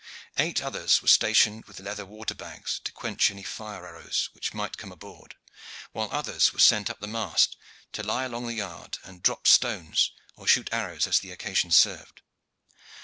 Eight others were stationed with leather water bags to quench any fire arrows which might come aboard, while others were sent up the mast, to lie along the yard and drop stones or shoot arrows as the occasion served.